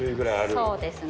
そうですね。